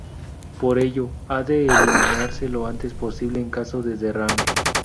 Por ello ha de eliminarse lo antes posible en caso de derrame.